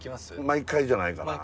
毎回じゃないかな。